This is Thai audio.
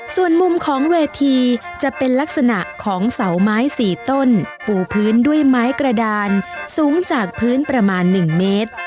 ส่วนมุมของเวทีจะเป็นลักษณะของเสาไม้๔ต้นปูพื้นด้วยไม้กระดานสูงจากพื้นประมาณ๑เมตร